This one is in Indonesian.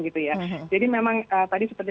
gitu ya jadi memang tadi seperti